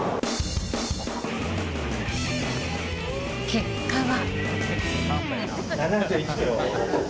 結果は。